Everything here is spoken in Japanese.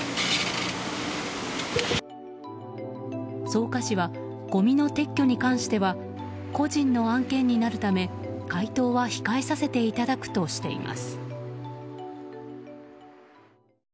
草加市は、ごみの撤去に関しては個人の案件になるため回答は控えさせていただくとしています。